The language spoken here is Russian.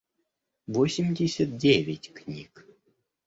восемьдесят девять книг